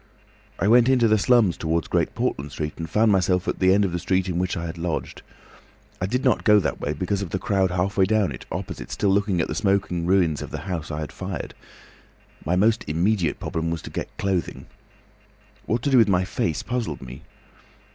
"I went into the slums towards Great Portland Street, and found myself at the end of the street in which I had lodged. I did not go that way, because of the crowd halfway down it opposite to the still smoking ruins of the house I had fired. My most immediate problem was to get clothing. What to do with my face puzzled me.